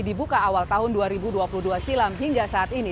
dibuka awal tahun dua ribu dua puluh dua silam hingga saat ini